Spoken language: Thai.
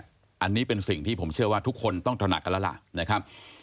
อันนี้เป็นสิ่งที่ผมเชื่อว่าทุกคนต้องตระหนักกันแล้วล่ะนะครับ